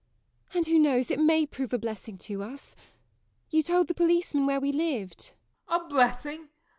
And who knows it may prove a blessing to us. You told the policeman where we lived? JOE. A blessing!